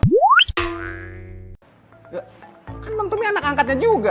ya kan bangtumi anak angkatnya juga